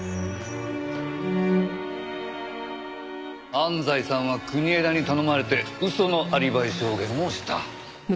安西さんは国枝に頼まれて嘘のアリバイ証言をした。